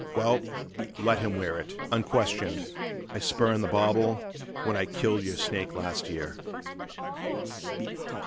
Well, let him wear it Unquestioned ... I spurned the bauble when I killed your snake last year.